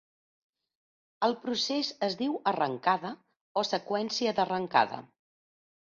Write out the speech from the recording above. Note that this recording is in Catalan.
El procés es diu 'arrancada' o 'seqüència d'arrancada'